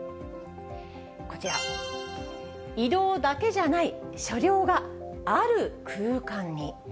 こちら、移動だけじゃない、車両がある空間に。